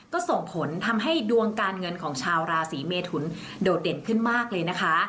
ก็ส่งผลทำให้ดวงการเงินของชาวราศีเมทุนโดดเด่นขึ้นมากเลยนะคะ